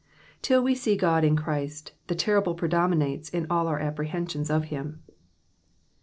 '' Till we see God in Christ, the terrible predominates in all our apprehensions of him.